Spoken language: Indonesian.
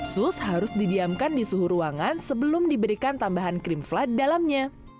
sus harus didiamkan di suhu ruangan sebelum diberikan tambahan krim flat dalamnya